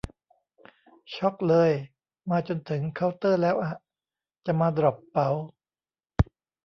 ช็อกเลย มาจนถึงเคาน์เตอร์แล้วอะ จะมาดรอปเป๋า